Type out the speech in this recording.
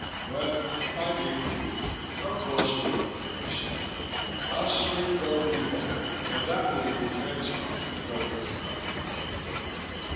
Well, I'm being gloomy. Of course we can weather the storm. I'll swing Gogarty back, and that will leave Ramsbotham nowhere to go....